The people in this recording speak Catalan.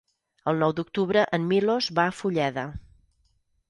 El nou d'octubre en Milos va a Fulleda.